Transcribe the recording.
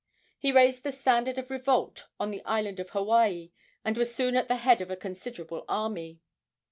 He raised the standard of revolt on the island of Hawaii, and was soon at the head of a considerable army.